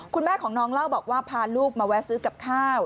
คุณแม่ของน้องเล่าบอกว่าพาลูกมาแวะซื้อกับข้าว